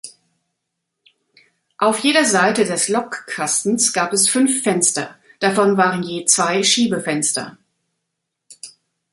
Auf jeder Seite des Lokkastens gab es fünf Fenster, davon waren je zwei Schiebefenster.